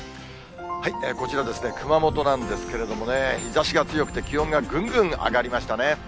こちらですね、熊本なんですけれどもね、日ざしが強くて、気温がぐんぐん上がりましたね。